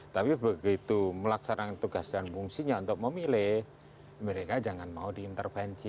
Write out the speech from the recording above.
tapi begitu melaksanakan tugas dan fungsinya untuk memilih mereka jangan mau diintervensi